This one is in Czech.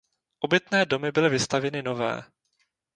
Obytné domy byly vystavěny nové.